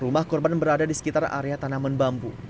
rumah korban berada di sekitar area tanaman bambu